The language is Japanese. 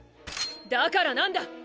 だからなんだ！